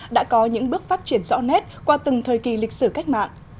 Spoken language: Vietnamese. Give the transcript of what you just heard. đã có những bước phát triển rõ nét qua từng thời kỳ lịch sử cách mạng